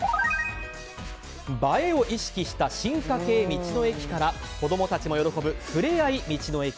映えを意識した進化形道の駅から子供たちも喜ぶふれあい道の駅。